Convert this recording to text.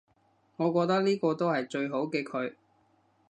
我覺得呢個都係最好嘅佢